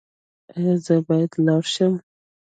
ایا زه باید لاړ شم؟